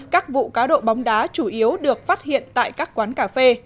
các vụ cá độ bóng đá chủ yếu được phát hiện tại các quán cà phê